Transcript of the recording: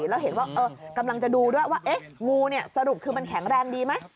แล้วเห็นว่ากำลังจะดูด้วยว่างูสรุปคือมันแข็งแรงดีไหม